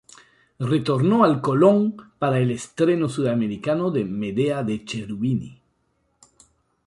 Retornó al Colón para el estreno sudamericano de Medea de Cherubini.